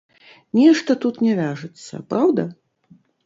Нешта тут не вяжацца, праўда?